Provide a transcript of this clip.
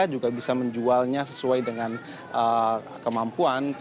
juga bisa menjualnya sesuai dengan kemampuan